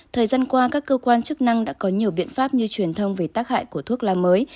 thời gian qua các cơ quan chức năng đã có nhiều biện pháp như truyền thông về tác hại của thuốc lá mới